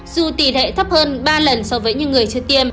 dù tỷ lệ thấp hơn ba lần so với những người chưa tiêm